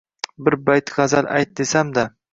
Bir bayt g‘azal ayt desamda.